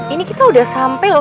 ini kita udah sampai loh